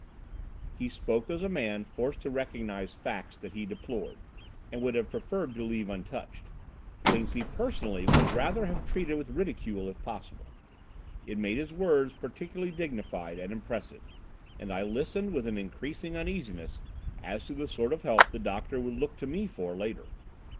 He spoke as a man forced to recognise facts that he deplored, and would have preferred to leave untouched—things he personally would rather have treated with ridicule if possible. It made his words peculiarly dignified and impressive, and I listened with an increasing uneasiness as to the sort of help the doctor would look to me for later.